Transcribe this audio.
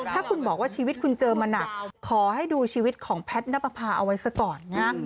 ถ้าคุณบอกว่าชีวิตคุณเจอมาหนักขอให้ดูชีวิตของแพทย์นับประพาเอาไว้ซะก่อนนะ